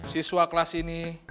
siswa kelas ini